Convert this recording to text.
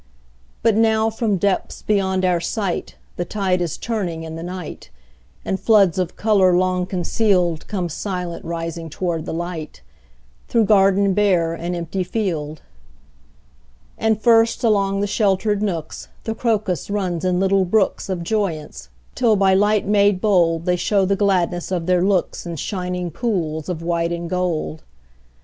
But now from depths beyond our sight, The tide is turning in the night, And floods of color long concealed Come silent rising toward the light, Through garden bare and empty field. And first, along the sheltered nooks, The crocus runs in little brooks Of joyance, till by light made bold They show the gladness of their looks In shining pools of white and gold.